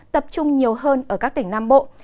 tập trung nhiều hơn ở các tỉnh nam bộ